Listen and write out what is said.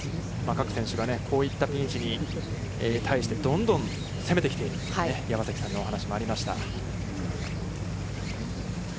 各選手がこういったピン位置に対してどんどん攻めてきているという山崎さんのお話しもありました。